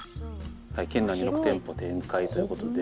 県内に６店舗を展開という事で。